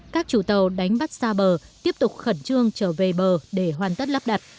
các chủ tàu đánh bắt xa bờ tiếp tục khẩn trương trở về bờ để hoàn tất lắp đặt